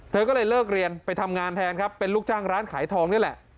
เธอก็เลยเลิกเรียนไปทำงานแทนครับเป็นลูกจ้างร้านขายทองนี่แหละ